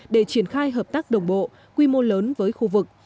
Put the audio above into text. để triển khai hợp tác đồng bộ quy mô lớn với khu vực